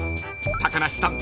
［高梨さん